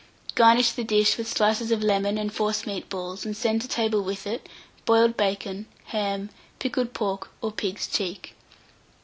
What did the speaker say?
Garnish the dish with slices of lemon and forcemeat balls, and send to table with it, boiled bacon, ham, pickled pork, or pig's cheek.